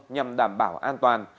nhằm đảm bảo an toàn